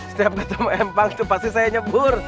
setiap ketemu empang itu pasti saya nyebur